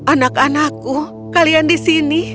anak anakku kalian di sini